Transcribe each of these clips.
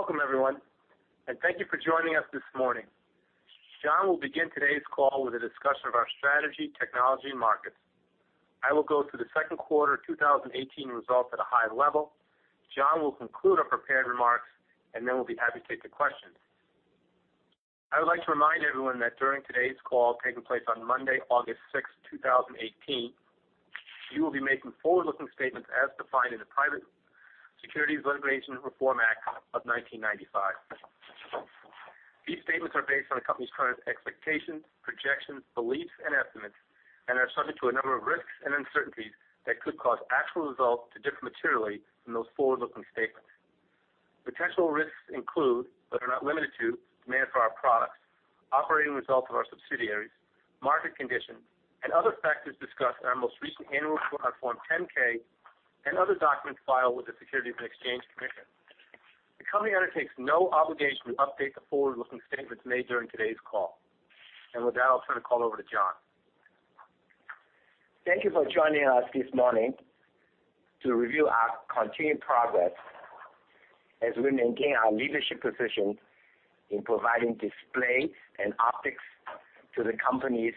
Welcome everyone, thank you for joining us this morning. John will begin today's call with a discussion of our strategy, technology, and markets. I will go through the second quarter 2018 results at a high level. John will conclude our prepared remarks, then we'll be happy to take the questions. I would like to remind everyone that during today's call, taking place on Monday, August 6th, 2018, we will be making forward-looking statements as defined in the Private Securities Litigation Reform Act of 1995. These statements are based on the company's current expectations, projections, beliefs, and estimates, and are subject to a number of risks and uncertainties that could cause actual results to differ materially from those forward-looking statements. Potential risks include, but are not limited to, demand for our products, operating results of our subsidiaries, market conditions, and other factors discussed in our most recent annual report on Form 10-K, and other documents filed with the Securities and Exchange Commission. The company undertakes no obligation to update the forward-looking statements made during today's call. With that, I'll turn the call over to John. Thank you for joining us this morning to review our continued progress as we maintain our leadership position in providing display and optics to the companies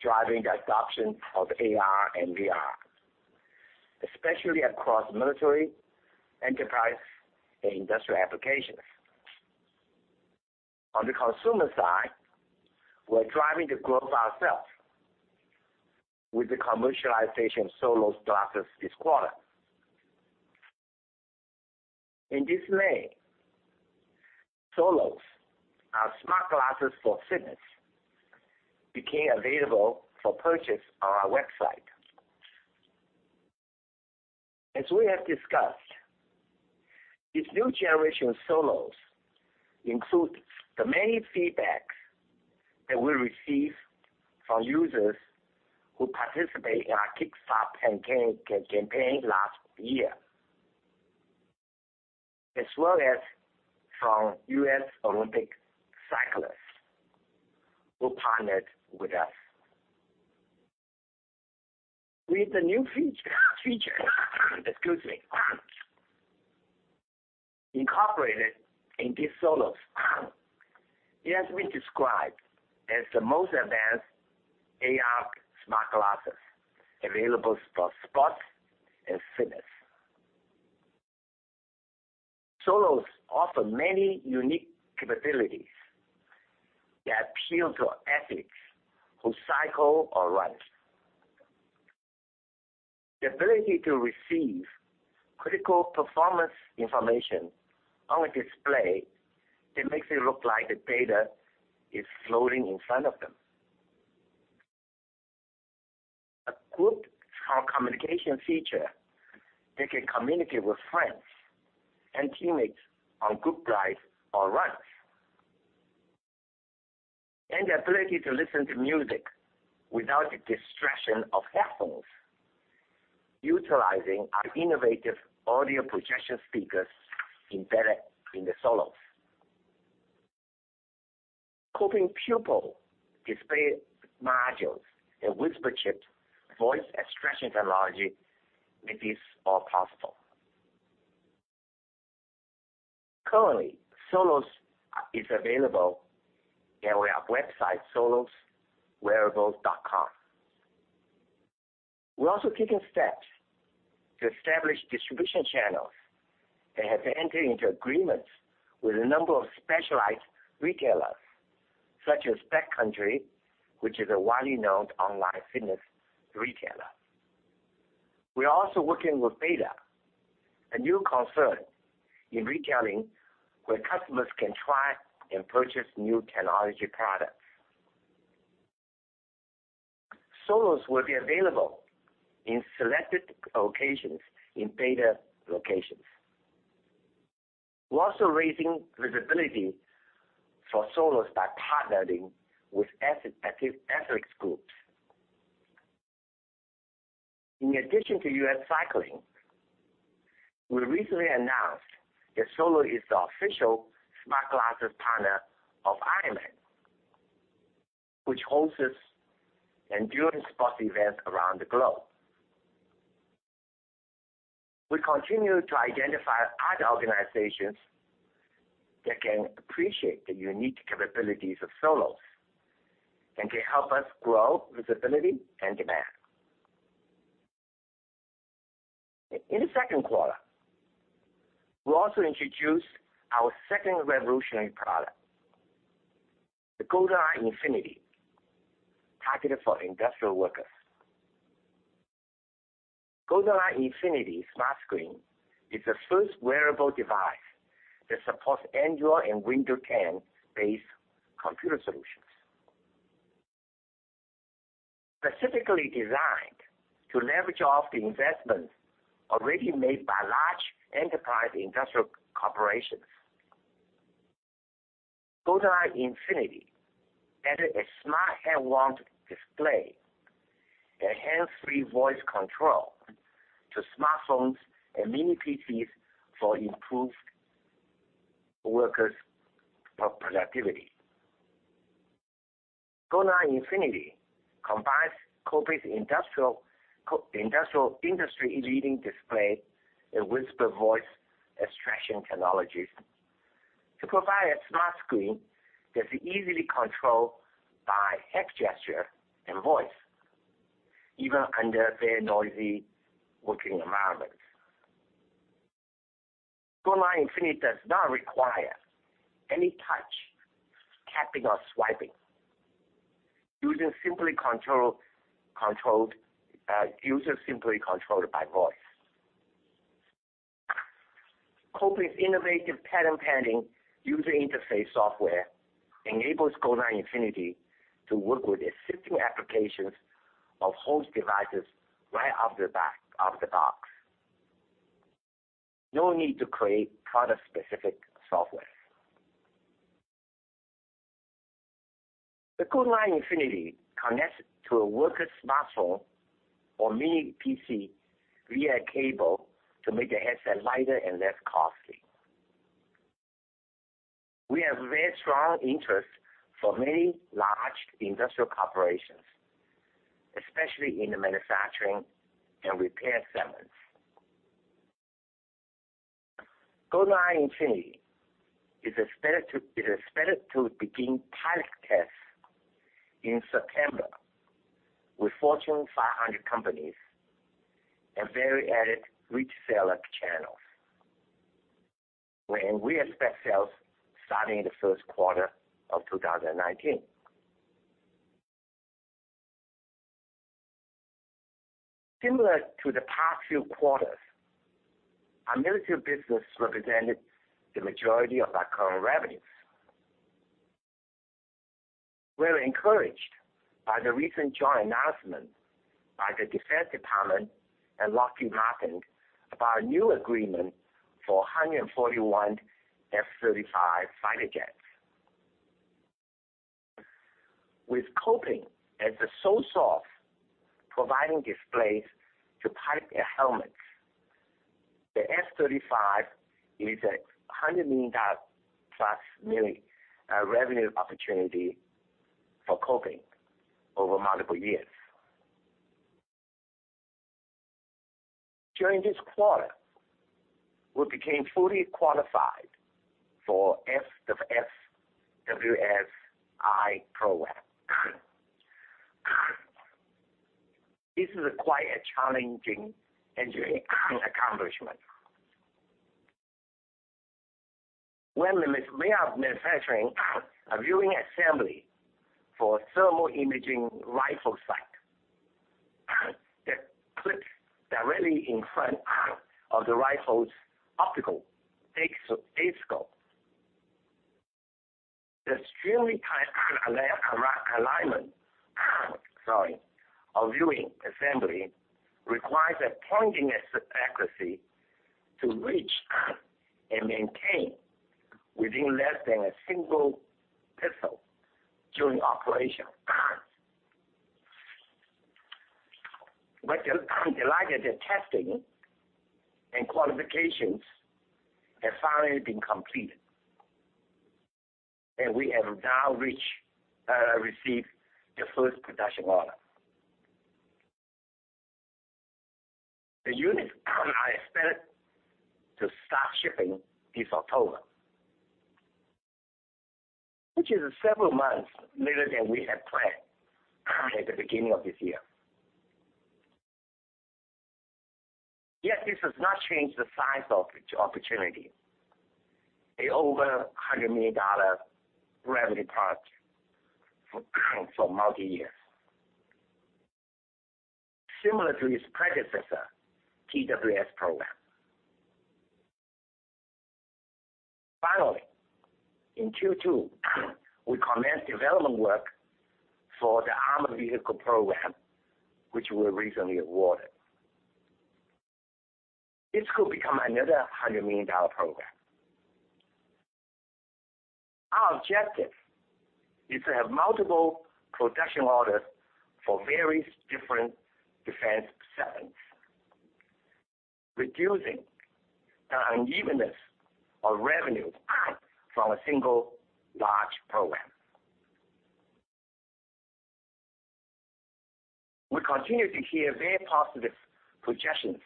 driving the adoption of AR and VR, especially across military, enterprise, and industrial applications. On the consumer side, we're driving the growth ourselves with the commercialization of Solos glasses this quarter. In display, Solos, our smart glasses for fitness, became available for purchase on our website. As we have discussed, this new generation of Solos includes the many feedbacks that we received from users who participated in our Kickstarter campaign last year, as well as from U.S. Olympic cyclists who partnered with us. With the new features excuse me, incorporated in these Solos, it has been described as the most advanced AR smart glasses available for sports and fitness. Solos offer many unique capabilities that appeal to athletes who cycle or run. The ability to receive critical performance information on a display that makes it look like the data is floating in front of them. A group communication feature, they can communicate with friends and teammates on group rides or runs. The ability to listen to music without the distraction of headphones utilizing our innovative audio projection speakers embedded in the Solos. Kopin Pupil display modules and Whisper Chip voice extraction technology make this all possible. Currently, Solos is available on our website, soloswearables.com. We're also taking steps to establish distribution channels and have entered into agreements with a number of specialized retailers, such as Backcountry, which is a widely known online fitness retailer. We're also working with b8ta, a new concept in retailing where customers can try and purchase new technology products. Solos will be available in selected locations in b8ta locations. We are also raising visibility for Solos by partnering with athletes groups. In addition to US Cycling, we recently announced that Solos is the official smart glasses partner of Ironman, which hosts endurance sports events around the globe. We continue to identify other organizations that can appreciate the unique capabilities of Solos and can help us grow visibility and demand. In the second quarter, we also introduced our second revolutionary product, the Golden-i Infinity, targeted for industrial workers. Golden-i Infinity Smart Screen is the first wearable device that supports Android and Windows 10-based computer solutions, specifically designed to leverage off the investment already made by large enterprise industrial corporations. Golden-i Infinity added a smart head-worn display and hands-free voice control to smartphones and mini PCs for improved workers' productivity. Golden-i Infinity combines Kopin's industry-leading display and Whisper voice extraction technologies to provide a smart screen that's easily controlled by head gesture and voice, even under very noisy working environments. Golden-i Infinity does not require any touch, tapping, or swiping. User simply controlled by voice. Kopin's innovative patent-pending user interface software enables Golden-i Infinity to work with existing applications of host devices right out of the box. No need to create product-specific software. The Golden-i Infinity connects to a worker's smartphone or mini PC via a cable to make the headset lighter and less costly. We have very strong interest from many large industrial corporations, especially in the manufacturing and repair segments. Golden-i Infinity is expected to begin pilot tests in September with Fortune 500 companies and various added resale channels. We expect sales starting in the first quarter of 2019. Similar to the past few quarters, our military business represented the majority of our current revenues. We are encouraged by the recent joint announcement by the Defense Department and Lockheed Martin about a new agreement for 141 F-35 fighter jets. With Kopin as the sole source providing displays to pilot their helmets, the F-35 is a $100-million-plus revenue opportunity for Kopin over multiple years. During this quarter, we became fully qualified for FWS-I program. This is quite a challenging engineering accomplishment. We are manufacturing a viewing assembly for thermal imaging rifle sight that clips directly in front of the rifle's optical scope. The extremely tight alignment of viewing assembly requires a pointing accuracy to reach and maintain within less than a single pixel during operation. Delighted that testing and qualifications have finally been completed, and we have now received the first production order. The units are expected to start shipping this October, which is several months later than we had planned at the beginning of this year. Yet this does not change the size of the opportunity. A over $100 million revenue product for multi years. Similar to its predecessor, TWS program. In Q2, we commenced development work for the armored vehicle program, which we were recently awarded. This could become another $100 million program. Our objective is to have multiple production orders for various different defense segments, reducing the unevenness of revenue from a single large program. We continue to hear very positive projections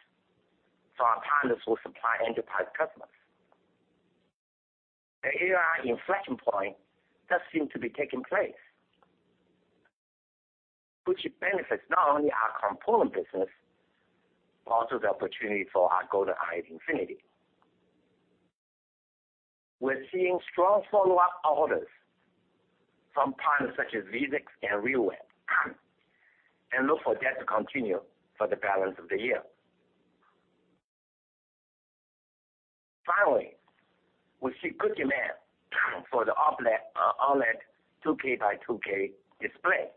from our panel source supply enterprise customers. The AI inflection point does seem to be taking place, which benefits not only our component business, but also the opportunity for our Golden-i Infinity. We're seeing strong follow-up orders from partners such as Vuzix and RealWear, and look for that to continue for the balance of the year. Finally, we see good demand for the OLED 2K by 2K displays.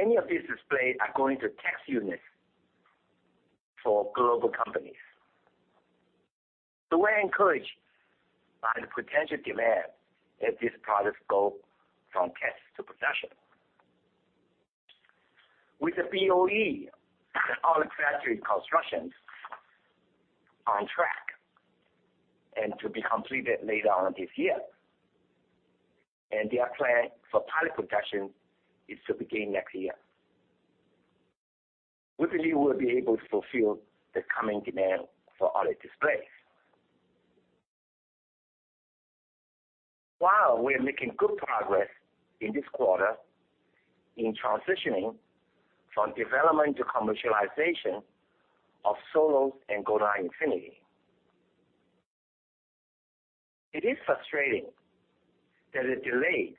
Many of these displays are going to test units for global companies. We are encouraged by the potential demand as these products go from test to production. With the BOE, the OLED factory construction on track and to be completed later on this year. Their plan for pilot production is to begin next year. We believe we'll be able to fulfill the coming demand for OLED displays. While we are making good progress in this quarter in transitioning from development to commercialization of Solos and Golden-i Infinity, it is frustrating that the delays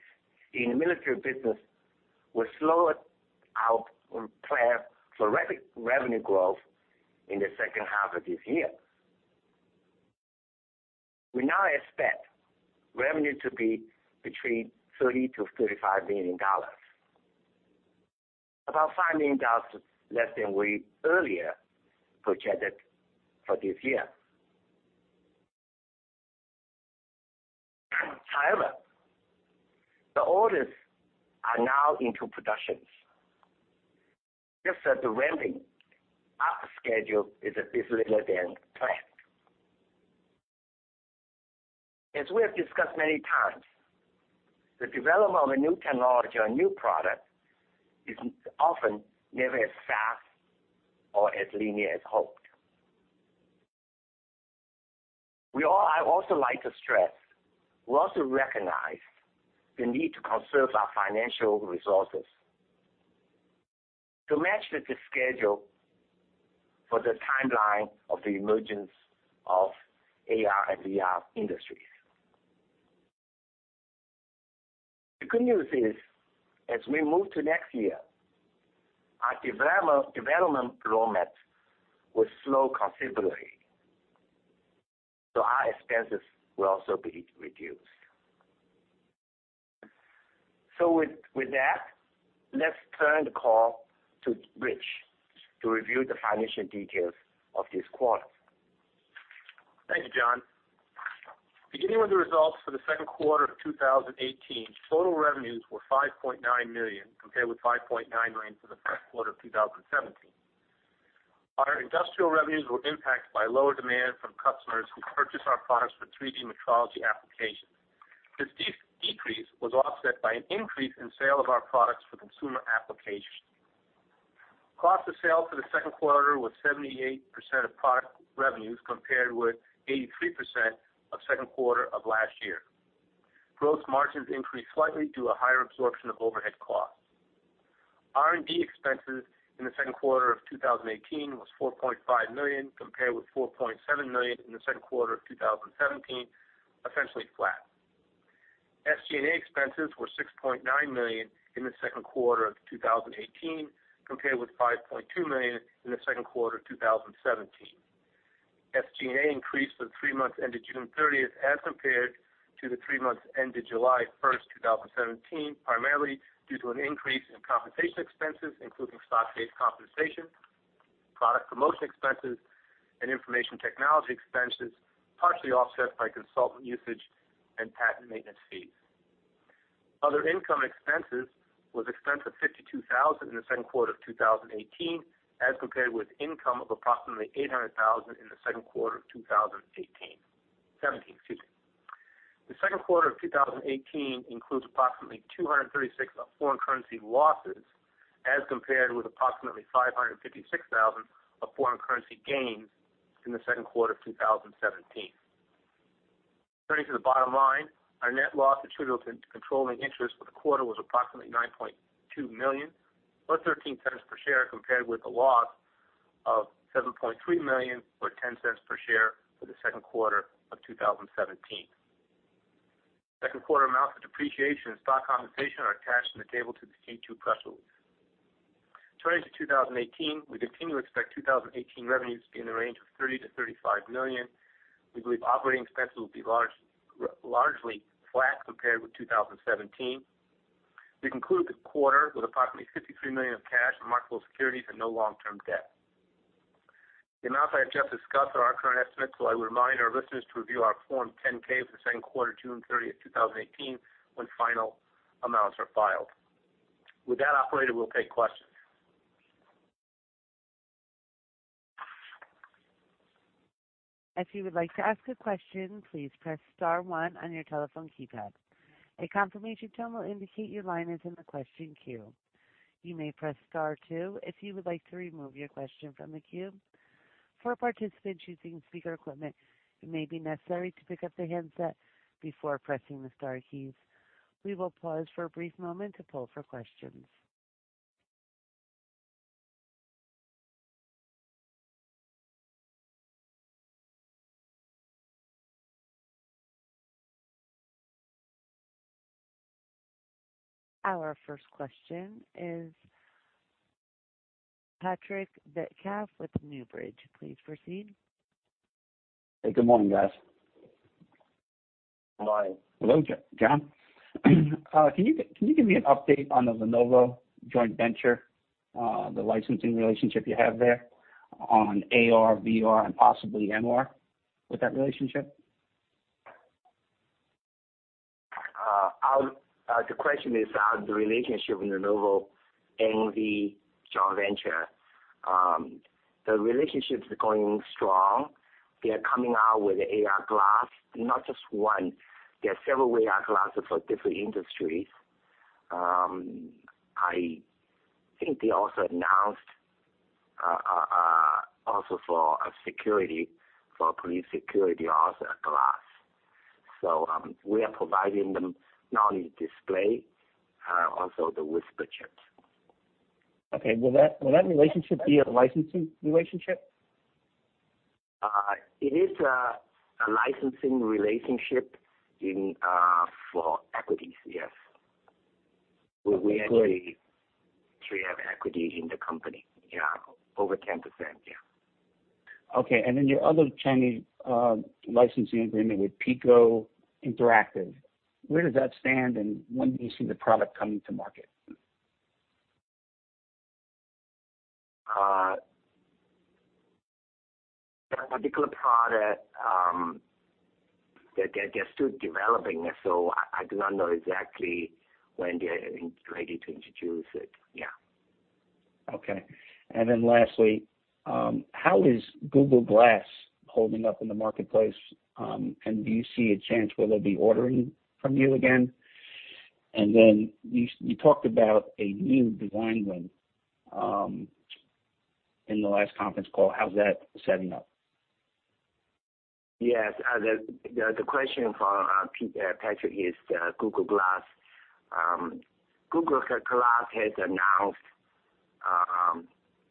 in the military business will slow our plan for rapid revenue growth in the second half of this year. We now expect revenue to be between $30 million-$35 million, about $5 million less than we earlier projected for this year. However, the orders are now into production. Just that the ramping up schedule is a bit later than planned. As we have discussed many times, the development of a new technology or a new product is often never as fast or as linear as hoped. I also like to stress, we recognize the need to conserve our financial resources to match with the schedule for the timeline of the emergence of AR and VR industries. The good news is, as we move to next year, our development roadmap will slow considerably, our expenses will also be reduced. With that, let's turn the call to Rich to review the financial details of this quarter. Thank you, John. Beginning with the results for the second quarter of 2018, total revenues were $5.9 million, compared with $5.99 million for the second quarter of 2017. Our industrial revenues were impacted by lower demand from customers who purchase our products for 3D metrology applications. This decrease was offset by an increase in sale of our products for consumer applications. Cost of sales for the second quarter was 78% of product revenues, compared with 83% of second quarter of last year. Gross margins increased slightly due to a higher absorption of overhead costs. R&D expenses in the second quarter of 2018 was $4.5 million, compared with $4.7 million in the second quarter of 2017, essentially flat. SG&A expenses were $6.9 million in the second quarter of 2018, compared with $5.2 million in the second quarter of 2017. SG&A increased for the three months ended June 30th as compared to the three months ended July 1st, 2017, primarily due to an increase in compensation expenses, including stock-based compensation, product promotion expenses, and information technology expenses, partially offset by consultant usage and patent maintenance fees. Other income expenses was expense of $52,000 in the second quarter of 2018, as compared with income of approximately $800,000 in the second quarter of 2017. The second quarter of 2018 includes approximately $236,000 of foreign currency losses, as compared with approximately $556,000 of foreign currency gains in the second quarter of 2017. Turning to the bottom line, our net loss attributable to controlling interest for the quarter was approximately $9.2 million or $0.13 per share, compared with a loss of $7.3 million or $0.10 per share for the second quarter of 2017. Second quarter amount for depreciation and stock compensation are attached in the table to this Q2 press release. Turning to 2018, we continue to expect 2018 revenues to be in the range of $30 million-$35 million. We believe operating expenses will be largely flat compared with 2017. We concluded the quarter with approximately $53 million of cash and marketable securities and no long-term debt. The amounts I have just discussed are our current estimates, so I would remind our listeners to review our Form 10-K for the second quarter, June 30th, 2018, when final amounts are filed. With that, operator, we'll take questions. If you would like to ask a question, please press star one on your telephone keypad. A confirmation tone will indicate your line is in the question queue. You may press star two if you would like to remove your question from the queue. For participants using speaker equipment, it may be necessary to pick up the handset before pressing the star keys. We will pause for a brief moment to poll for questions. Our first question is Patrick Retzer with Newbridge. Please proceed. Hey, good morning, guys. Hi. Hello, John. Can you give me an update on the Lenovo joint venture, the licensing relationship you have there on AR, VR, and possibly MR with that relationship? The question is about the relationship with Lenovo and the joint venture. The relationship is going strong. They are coming out with AR glass. Not just one, there are several AR glasses for different industries. I think they also announced, also for security, for police security, also a glass. We are providing them not only display, also the Whisper Chips. Okay. Will that relationship be a licensing relationship? It is a licensing relationship for equities, yes. Okay. We actually have equity in the company, yeah, over 10%. Yeah. Okay. Your other Chinese licensing agreement with Pico Interactive, where does that stand, and when do you see the product coming to market? That particular product, they're still developing it, so I do not know exactly when they are ready to introduce it. Yeah. Okay. Lastly, how is Google Glass holding up in the marketplace? Do you see a chance where they'll be ordering from you again? You talked about a new design win in the last conference call. How's that setting up? Yes. The question for Patrick is Google Glass. Google Glass has announced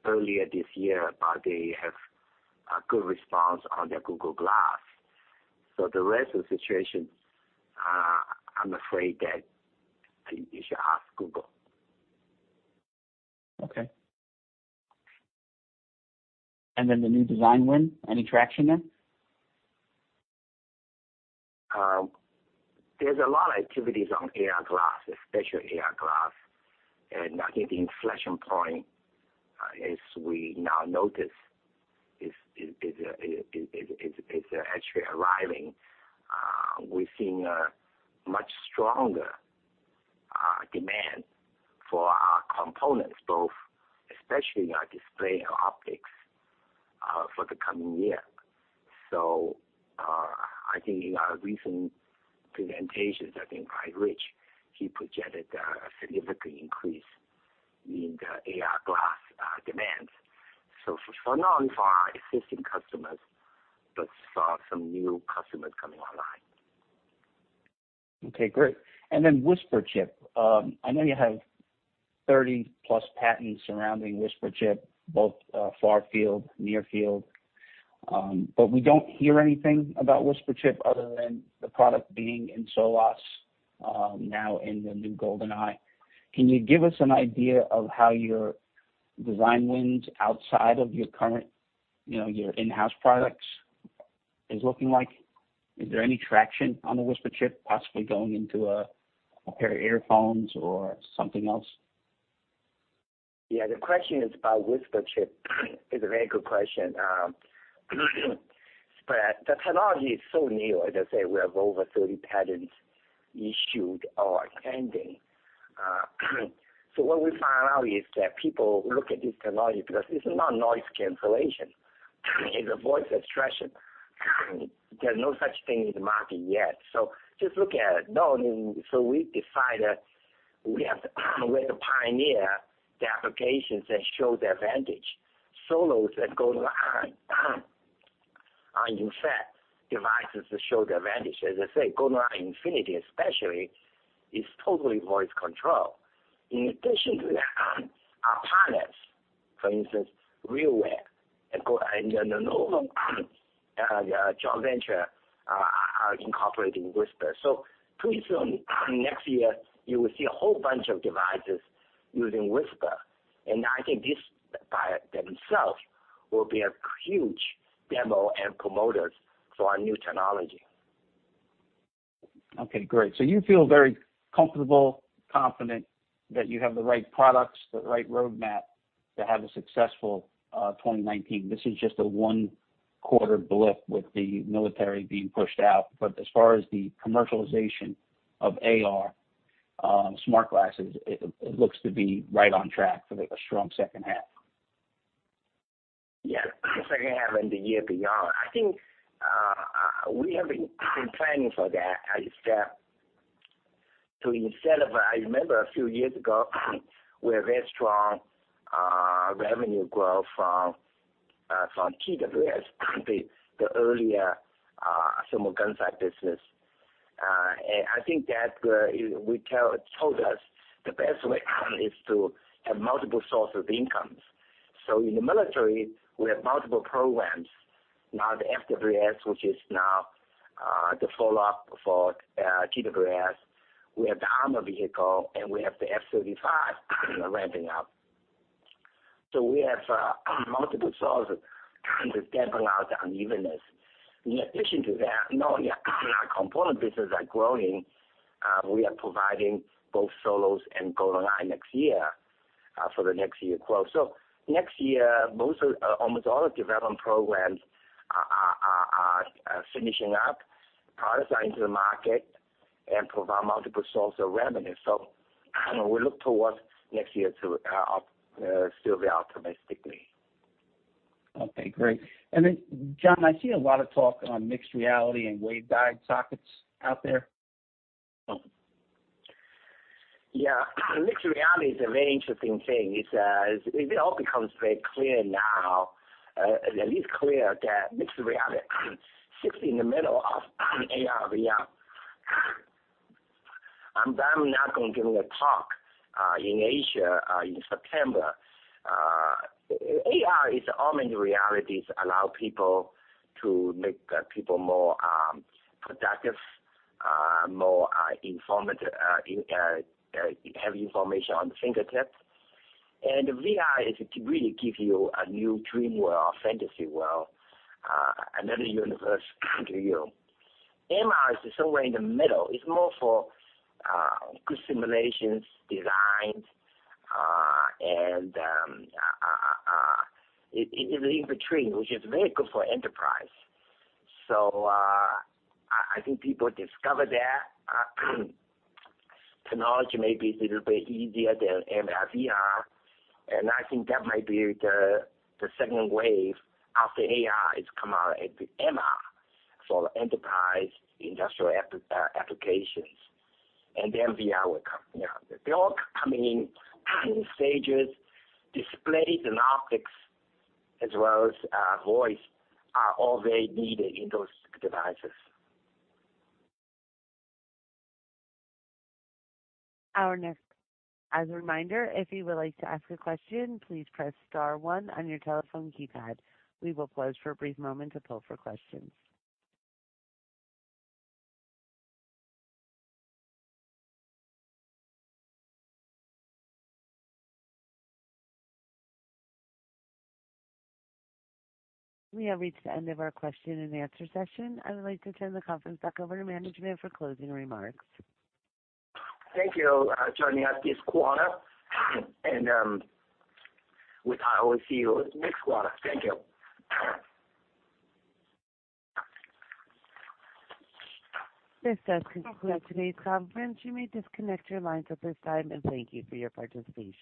earlier this year that they have a good response on their Google Glass. The rest of the situation, I'm afraid that you should ask Google. Okay. The new design win, any traction there? There's a lot of activities on AR glass, especially AR glass. I think the inflection point, as we now notice, is actually arriving. We're seeing a much stronger demand for our components, both especially our display and optics, for the coming year. I think in our recent presentations, I think Mike Rich, he projected a significant increase in the AR glass demand. For now, for our existing customers, but for some new customers coming online. Okay, great. Whisper Chip. I know you have 30-plus patents surrounding Whisper Chip, both far field, near field. We don't hear anything about Whisper Chip other than the product being in Solos now in the new Golden-i. Can you give us an idea of how your design wins outside of your current in-house products is looking like? Is there any traction on the Whisper Chip possibly going into a pair of earphones or something else? Yeah, the question is about Whisper Chip. It is a very good question. The technology is so new, as I say, we have over 30 patents issued or pending. What we found out is that people look at this technology because it is not noise cancellation. It is a voice extraction. There is no such thing in the market yet. Just look at it. We decided we have to be the pioneer, the applications that show the advantage. Solos and Golden-i are in fact devices that show the advantage. As I say, Golden-i Infinity especially, is totally voice control. In addition to that, our partners, for instance, RealWear and the Lenovo joint venture are incorporating Whisper. Pretty soon, next year, you will see a whole bunch of devices using Whisper. I think this by themselves will be a huge demo and promoters for our new technology. Okay, great. You feel very comfortable, confident that you have the right products, the right roadmap to have a successful 2019. This is just a one-quarter blip with the military being pushed out. As far as the commercialization of AR smart glasses, it looks to be right on track for a strong second half. Yes. Second half and the year beyond. I think, we have been planning for that, is that instead of I remember a few years ago, we had very strong revenue growth from TWS, the earlier thermal gunsight business. I think that told us the best way is to have multiple sources of incomes. In the military, we have multiple programs. Now, the FWS, which is now the follow-up for TWS. We have the armor vehicle, and we have the F-35 ramping up. We have multiple sources to dampen out the unevenness. In addition to that, not only our component businesses are growing, we are providing both Solos and Golden-i next year, for the next year growth. Next year, almost all the development programs Are finishing up products into the market and provide multiple source of revenue. We look towards next year still very optimistically. Okay, great. John, I see a lot of talk on mixed reality and waveguide sockets out there. Yeah. Mixed reality is a very interesting thing. It all becomes very clear now, at least clear that mixed reality sits in the middle of AR and VR. I'm now going to give a talk in Asia in September. AR is augmented reality, allow people to make people more productive, have information on the fingertips. VR is to really give you a new dream world, fantasy world, another universe to you. MR is somewhere in the middle. It's more for good simulations, designs, and in between, which is very good for enterprise. I think people discover that. Technology may be a little bit easier than MR, VR. I think that might be the second wave after AR has come out, it'll be MR for enterprise industrial applications. Then VR will come. They're all coming in stages. Displays and optics as well as voice are all very needed in those devices. As a reminder, if you would like to ask a question, please press star one on your telephone keypad. We will pause for a brief moment to poll for questions. We have reached the end of our question and answer session. I would like to turn the conference back over to management for closing remarks. Thank you for joining us this quarter, and we'll see you next quarter. Thank you. This does conclude today's conference. You may disconnect your lines at this time, and thank you for your participation.